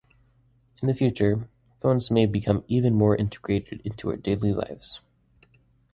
In the future, phones may become even more integrated into our daily lives.